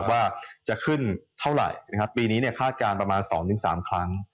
ว่าจะขึ้นเท่าไหร่ปีนี้คาดการณ์ประมาณ๒๓ครั้ง